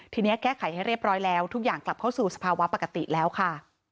ทีนี้แก้ไขให้เรียบร้อยแล้วทุกอย่างกลับเข้าสู่สภาวะปกติแล้วค่ะ